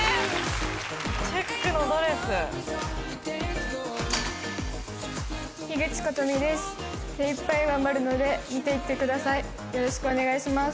チェックのドレス樋口琴美です精いっぱい頑張るので見ていてくださいよろしくお願いします